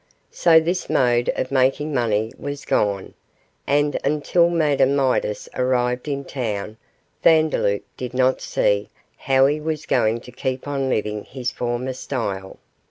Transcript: So this mode of making money was gone, and until Madame Midas arrived in town Vandeloup did not see how he was going to keep on living in his former style.